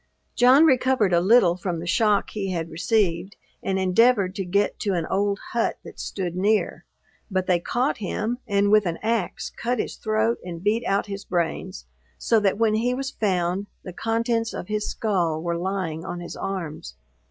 John recovered a little from the shock he had received, and endeavored to get to an old hut that stood near; but they caught him, and with an axe cut his throat, and beat out his brains, so that when he was found the contents of his skull were lying on his arms.